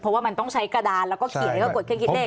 เพราะว่ามันต้องใช้กระดานแล้วก็เขียนแล้วก็กดเครื่องคิดเลข